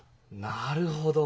なるほど。